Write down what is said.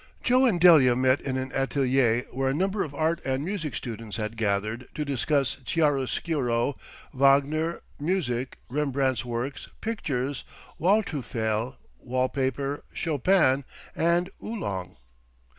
Joe and Delia met in an atelier where a number of art and music students had gathered to discuss chiaroscuro, Wagner, music, Rembrandt's works, pictures, Waldteufel, wall paper, Chopin and Oolong.